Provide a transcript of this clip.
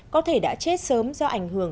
có thể đã chết sớm do ảnh hưởng